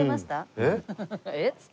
えっ？